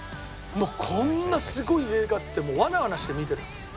もうこんなすごい映画ってもうわなわなして見てた。